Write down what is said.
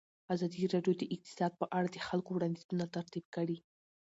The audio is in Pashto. ازادي راډیو د اقتصاد په اړه د خلکو وړاندیزونه ترتیب کړي.